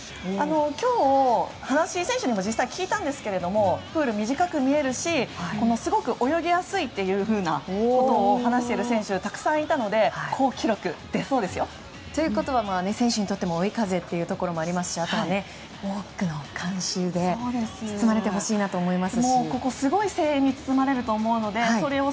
今日、選手にも実際に話を聞いたんですけどプール、短く見えるしすごく泳ぎやすいということを話している選手がたくさんいたので選手にとっても追い風というところもありますしあとは多くの観衆で包まれてほしいなと思います。